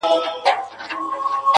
د طبیعت په تقاضاوو کي یې دل و ول کړم.